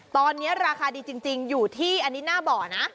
ตอนนี้ราคาดีจริงอยู่ที่อันนี้หน้าบ่อนะ